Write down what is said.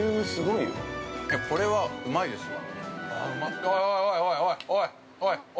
◆いや、これは、うまいですわ。